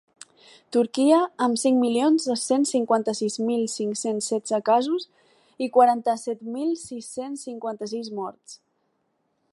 Turquia, amb cinc milions dos-cents cinquanta-sis mil cinc-cents setze casos i quaranta-set mil sis-cents cinquanta-sis morts.